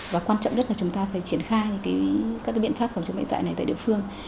và quan trọng nhất là chúng ta phải triển khai các biện pháp phòng chống bệnh dạy này tại địa phương